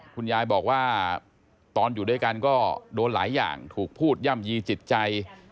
คุณยายบอกว่าตอนอยู่ด้วยกันก็โดนหลายอย่างถูกพูดย่ำยีจิตใจ